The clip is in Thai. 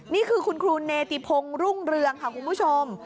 นี่คือคุณครูเนติพงศ์รุ่งเรืองค่ะคุณผู้ชม